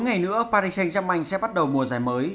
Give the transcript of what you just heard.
bốn ngày nữa paris saint germain sẽ bắt đầu mùa giải mới